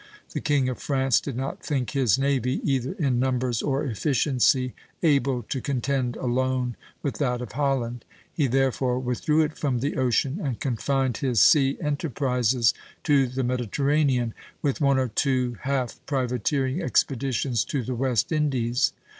The King of France did not think his navy, either in numbers or efficiency, able to contend alone with that of Holland; he therefore withdrew it from the ocean and confined his sea enterprises to the Mediterranean, with one or two half privateering expeditions to the West Indies.